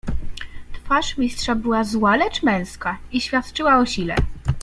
"Twarz Mistrza była zła, lecz męska i świadczyła o sile."